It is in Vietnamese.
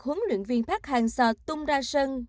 huấn luyện viên park hang seo tung ra sân